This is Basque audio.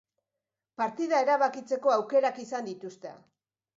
Partida erabakitzeko aukerak izan dituzte.